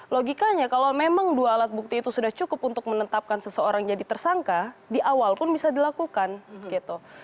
logikanya kalau memang dua alat bukti itu sudah cukup untuk menetapkan seseorang jadi tersangka di awal pun bisa dilakukan gitu